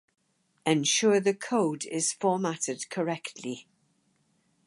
ensure the code is formatted correctly